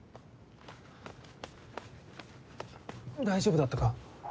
大丈夫だったか？